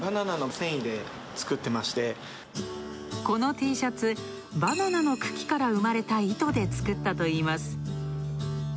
このＴシャツ、バナナの茎から生まれた糸で作ったといいます。